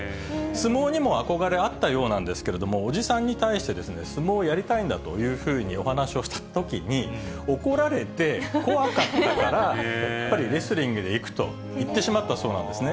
相撲にもあこがれあったようなんですけど、叔父さんに対して相撲をやりたいんだというふうにお話をしたときに、怒られて、怖かったから、やっぱりレスリングで行くと言ってしまったそうなんですね。